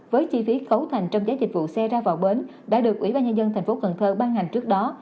với chi phí cấu thành trong giá dịch vụ xe ra vào bến đã được ủy ban nhân dân thành phố cần thơ ban hành trước đó